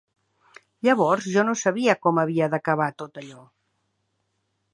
Llavors jo no sabia com havia d'acabar tot allò